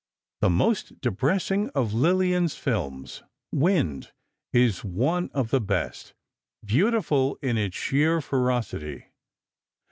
The most depressing of Lillian's films, "Wind," is one of the best—beautiful in its sheer ferocity.